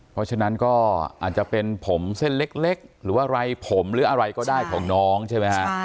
เพราะฉะนั้นก็อาจจะเป็นผมเส้นเล็กหรือว่าไรผมหรืออะไรก็ได้ของน้องใช่ไหมฮะ